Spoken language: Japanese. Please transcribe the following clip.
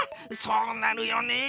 そうなるよね。